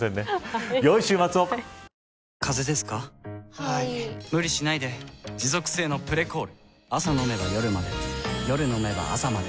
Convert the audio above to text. はい・・・無理しないで持続性の「プレコール」朝飲めば夜まで夜飲めば朝まで